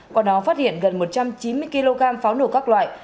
qua đó phát hiện gần một trăm chín mươi kg pháo nổ các loại